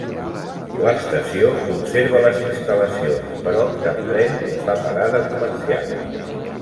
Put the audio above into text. L'estació conserva les instal·lacions però cap tren hi fa parada comercial.